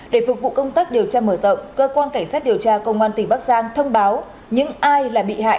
để phục vụ công tác điều tra mở rộng cơ quan cảnh sát điều tra công an tỉnh bắc giang thông báo những ai là bị hại